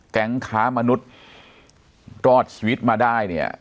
แก๊งค้ามนุษย์รอดชีวิตมาได้เนี่ย